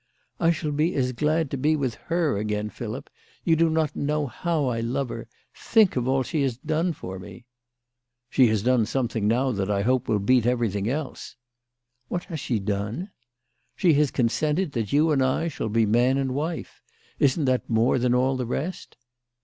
" I shall be as glad to be with her again, Philip. You do not know how I love her. Think of all she has done for me !"" She has done something now that I hope will beat everything else." " What has she done ?"" She has consented that you and I shall be man and wife. Isn't that more than all the rest